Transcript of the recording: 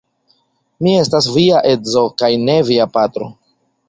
Mi estas via edzo kaj ne via patro.